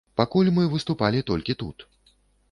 Пакуль мы выступалі толькі тут.